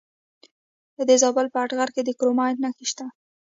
د زابل په اتغر کې د کرومایټ نښې شته.